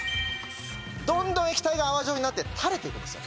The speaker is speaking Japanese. どんどん液体が泡状になって垂れていくんですよ。